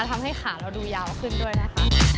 ทำให้ขาเราดูยาวขึ้นด้วยนะคะ